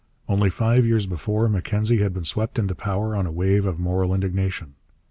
Only five years before, Mackenzie had been swept into power on a wave of moral indignation.